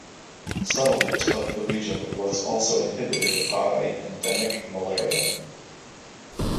Settlement of the region was also inhibited by endemic malaria.